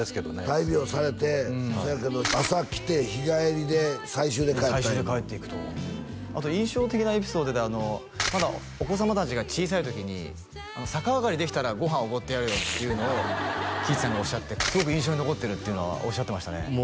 大病されてそやけど朝来て日帰りで最終で帰った最終で帰っていくとあと印象的なエピソードでまだお子様達が小さい時に「逆上がりできたらご飯おごってやるよ」っていうのを貴一さんがおっしゃってすごく印象に残ってるっていうのはおっしゃってましたね